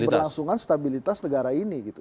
dan keberlangsungan stabilitas negara ini gitu